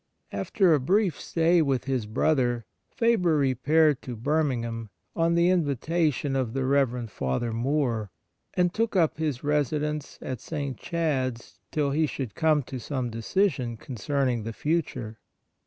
After a brief stay with his brother, Faber repaired to Birmingham on the invitation of the Rev. Father Moore, and took up his residence at St. Chad's till he should come to some decision concerning the future.